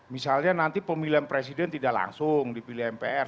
misalnya nanti pemilihan presiden tidak langsung dipilih mpr